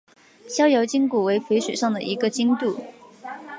逍遥津古为淝水上的一个津渡。